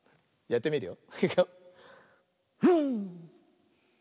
やってみるよ。